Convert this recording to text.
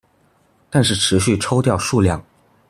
但是持續抽掉數量